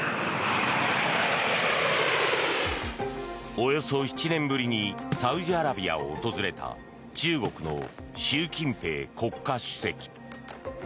およそ７年ぶりにサウジアラビアを訪れた中国の習近平国家主席。